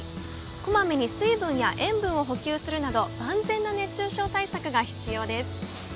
小まめに水分や塩分を補給するなど万全の熱中症対策が必要です。